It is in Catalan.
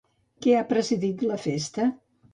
Què ha precedit la festa?